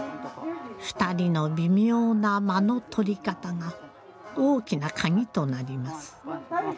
２人の微妙な間の取り方が大きな鍵となります。